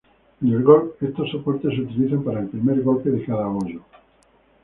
En el golf, estos soportes se utilizan para el primer golpe de cada hoyo.